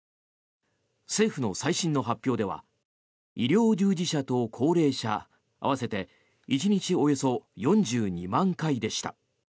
政府の最新の発表では医療従事者と高齢者合わせて１日およそ４２万回でした。